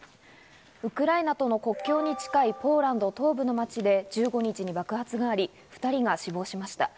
ウクライナとの国境に近いポーランド東部の街で１５日に爆発があり、２人が死亡しました。